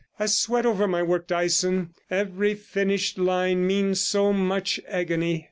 I sweat over my work, Dyson every finished line means so much agony.